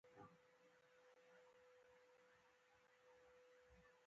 چې په دوو حوزو ویشل شوي: